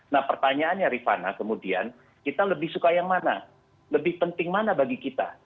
nah pertanyaannya rifana kemudian kita lebih suka yang mana lebih penting mana bagi kita